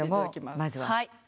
まずは？